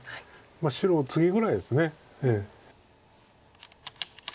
白はツギぐらいです。